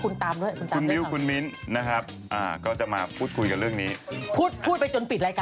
เนี่ยหมดแล้วหอเนี่ย